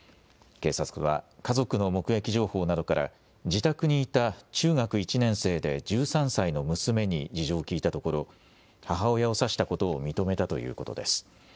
警察は家族の目撃情報などから自宅にいた中学１年生で１３歳の娘に事情を聞いたところ母親を刺したことを認めたということです。